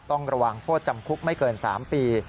ต้องระวังโทษจำคุกไม่เกิน๓ปี